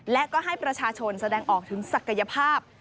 และก็ให้ประชาชนแสดงออกถึงศักยภาพ